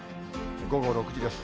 午後６時です。